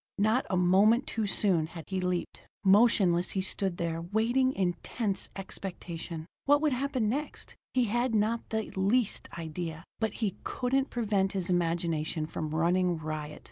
Not a moment too soon had he leaped. Motionless he stood there, waiting in tense expectation. What would happen next, he had not the least idea, but he couldn't prevent his imagination from running riot.